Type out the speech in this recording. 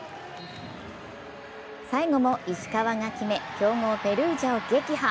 最後も石川が決め、強豪ペルージャを撃破。